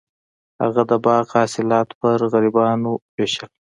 هغه د باغ حاصلات په غریبانو ویشل.